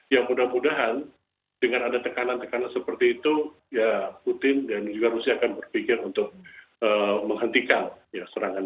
ya mudah mudahan dengan ada tekanan tekanan seperti itu ya putin dan juga rusia akan berpikir untuk menghentikan serangan